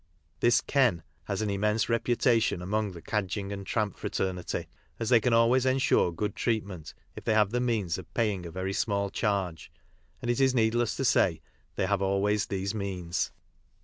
This " ken " has an immense reputation among the cadging and tramp fraternity, as they can always ensure good treatment if they have the means of paying a very small charge, and it is needless to say they have always these means.